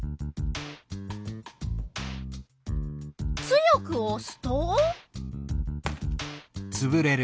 強くおすと？